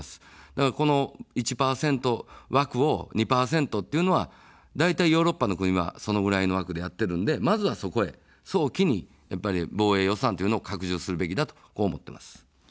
だからこの１％枠を２％というのは、だいたいヨーロッパの国はそのぐらいの枠でやっているので、まずはそこへ早期に防衛予算というのを拡充するべきだと思っています。